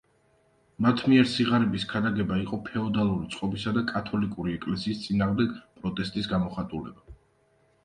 მათ მიერ სიღარიბის ქადაგება იყო ფეოდალური წყობისა და კათოლიკური ეკლესიის წინააღმდეგ პროტესტის გამოხატულება.